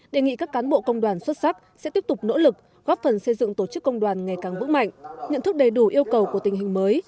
đề nghị các cán bộ công đoàn xuất sắc sẽ tiếp tục nỗ lực góp phần xây dựng tổ chức công đoàn ngày càng vững mạnh nhận thức đầy đủ yêu cầu của tình hình mới